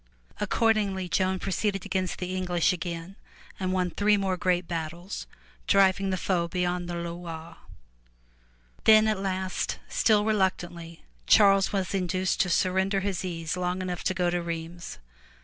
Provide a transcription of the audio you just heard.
Accordingly Joan proceeded against the English again, and won three more great battles, driving the foe beyond the Loire. Then at last, still reluctantly, Charles was induced to surrender his ease long enough to go to Rheims.